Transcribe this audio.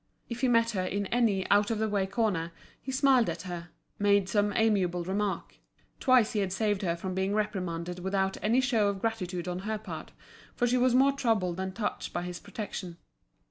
If he met her in any out of the way corner he smiled at her, made some amiable remark; twice he had saved her from being reprimanded without any show of gratitude on her part, for she was more troubled than touched by his protection.